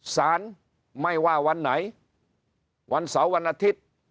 สารไม่ว่าวันไหนวันเสาร์วันอาทิตย์